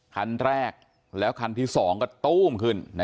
คันแรกแล้วคันที่๒ก็ตู้มขึ้น